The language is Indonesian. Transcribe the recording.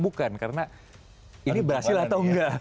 bukan karena ini berhasil atau enggak